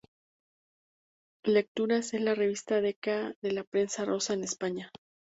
Lecturas es la revista decana de la prensa rosa en España.